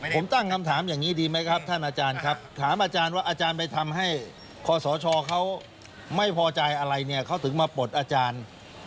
ผมตั้งคำถามอย่างนี้ดีไหมครับท่านอาจารย์ครับถามอาจารย์ว่าอาจารย์ไปทำให้คศเขาไม่พอใจอะไรเนี่ยเขาถึงมาปลดอาจารย์